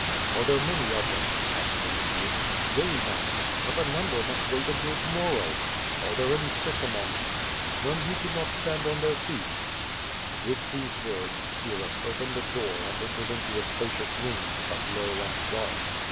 '' "Are there many of them?" asked Vinitius. "Yea, master, but a number must wait until to morrow/* "Are there any sick among them?'' "None who could not stand on their feet." With these words Syrus opened a door and entered into a spacious room, but low and dark.